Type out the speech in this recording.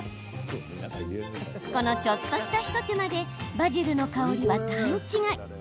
この、ちょっとした一手間でバジルの香りは段違い。